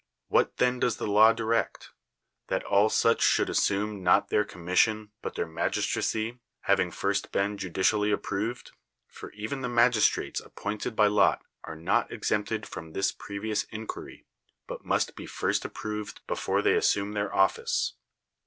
What then does the law direct? That all such should assume not their "commission" but their "jiiagistracy, " having first been judicially approved (for even the magistrates appointed by lot are not exempted from this previous in quiry, but must be tirst approved before they assume their ol^ce).